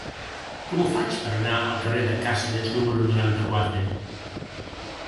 Com ho faig per anar al carrer de Càceres número noranta-quatre?